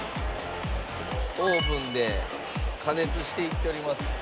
オーブンで加熱していっております。